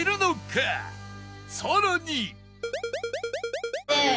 さらに